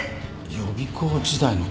予備校時代の方？